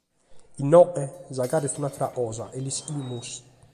Inoghe sa gara est un’àtera cosa e l’ischimus.